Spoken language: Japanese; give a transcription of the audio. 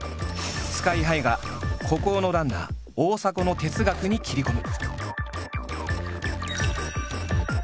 ＳＫＹ−ＨＩが孤高のランナー大迫の哲学に切り込む！